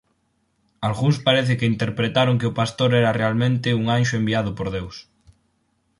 Algúns parece que interpretaron que o pastor era realmente un anxo enviado por Deus.